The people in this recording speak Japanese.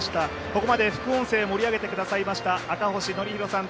ここまで副音声を盛り上げてくださいました赤星憲広さん